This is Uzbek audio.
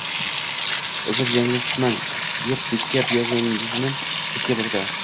Uzr, yanglishibman, deb Brekket yuzini chetga burdi